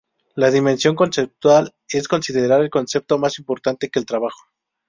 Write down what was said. La dimensión conceptual es considerar el concepto más importante que el trabajo.